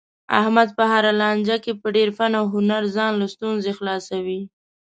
احمد په هره لانجه کې په ډېر فن او هنر ځان له ستونزو خلاصوي.